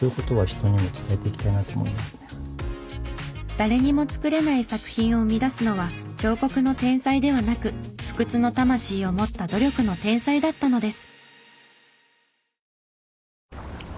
誰にも作れない作品を生み出すのは彫刻の天才ではなく不屈の魂を持った努力の天才だったのです。